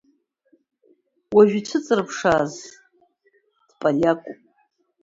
Уажәы ицәыҵрыԥшааз дполиакуп…